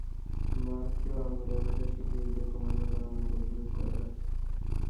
মার্ককেও আঙ্গুলের ভাষা শিখিয়ে দিও, তোমার ব্যাপারে অনেক অভিযোগ করার আছে।